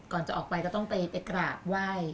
ก่อนจะออกไปก็ต้องไปกราบไหว้